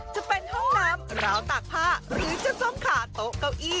จะเป็นห้องน้ำราวตากผ้าหรือจะส้มขาโต๊ะเก้าอี้